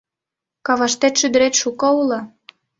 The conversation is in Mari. Каваштет шӱдырет шуко уло —